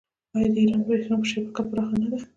آیا د ایران بریښنا شبکه پراخه نه ده؟